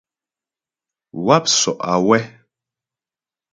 Wáp sɔ' awɛ́.